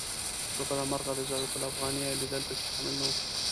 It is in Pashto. له بده مرغه د الزاویة الافغانیه لیدل په کې شامل نه و.